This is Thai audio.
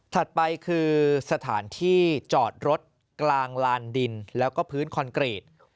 ไปคือสถานที่จอดรถกลางลานดินแล้วก็พื้นคอนกรีต